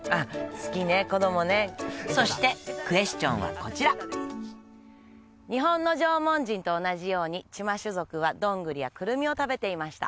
そしてクエスチョンはこちら日本の縄文人と同じようにチュマシュ族はどんぐりやクルミを食べていました